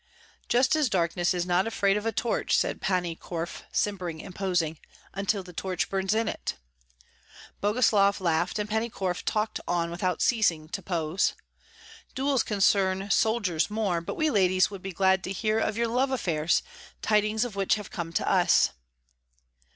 "Just as darkness is not afraid of a torch," said Pani Korf, simpering and posing, "until the torch burns in it." Boguslav laughed, and Pani Korf talked on without ceasing to pose, "Duels concern soldiers more, but we ladies would be glad to hear of your love affairs, tidings of which have come to us."